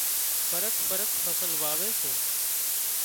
فرق فرق فصل واوي سي